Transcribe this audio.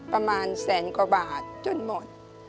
ประมาณแสนกว่าบาทจนหมด